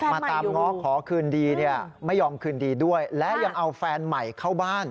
มาตามง้อขอคืนดีเนี่ยไม่ยอมคืนดีด้วยและยังเอาแฟนใหม่เข้าบ้าน